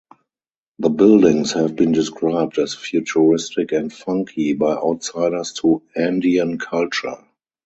The buildings have been described as "futuristic" and "funky" by outsiders to Andean culture.